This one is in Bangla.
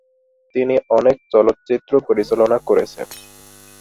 তিনি অনেক চলচ্চিত্র পরিচালনা করেছেন।